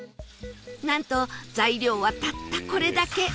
なんと材料はたったこれだけ